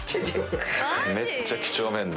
めっちゃ几帳面で。